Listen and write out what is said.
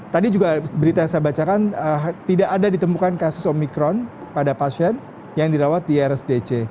tadi juga berita yang saya bacakan tidak ada ditemukan kasus omikron pada pasien yang dirawat di rsdc